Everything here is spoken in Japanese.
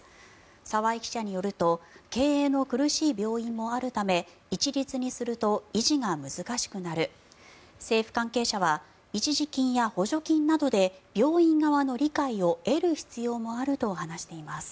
澤井記者によると経営の苦しい病院もあるため一律にすると維持が難しくなる政府関係者は一時金や補助金などで病院側の理解を得る必要もあると話しています。